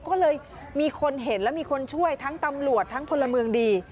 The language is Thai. ก็เลยมีคนเห็นและมีคนช่วยทั้งตำรวจทั้งพลเมืองดี